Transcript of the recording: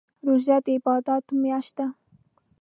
روژه دي عبادات میاشت ده